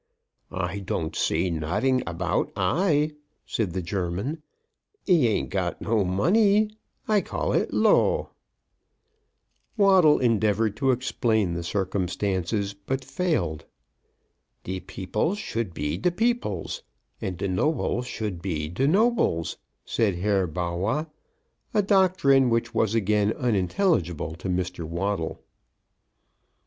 "I don't see nodin about 'igh," said the German. "He ain't got no money. I call it low." Waddle endeavoured to explain the circumstances, but failed. "De peoples should be de peoples, and de nobles should be de nobles," said Herr Bawwah; a doctrine which was again unintelligible to Mr. Waddle.